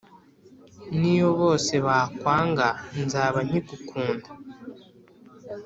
niyo bose bakwanga, nzaba nkigukunda